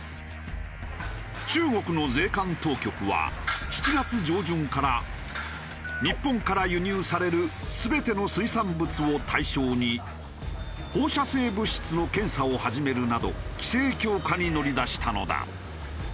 中国の税関当局は７月上旬から日本から輸入される全ての水産物を対象に放射性物質の検査を始めるなど規制強化に乗り出したのだ。